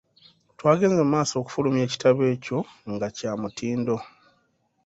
Twagenze mu maaso okufulumya ekitabo ekyo nga kya mutindo.